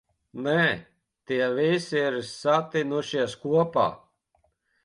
Nē, tie visi ir satinušies kopā.